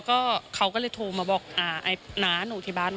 อ่าเดี๋ยวฟองดูนะครับไม่เคยพูดนะครับ